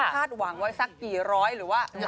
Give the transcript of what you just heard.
คาดหวังไว้สักกี่ร้อยหรือว่า